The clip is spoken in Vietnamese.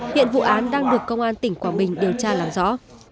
hiện vụ án đang được công an tỉnh quảng bình điều tra làm rõ